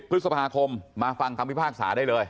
พฤษภาคมมาฟังคำพิพากษาได้เลย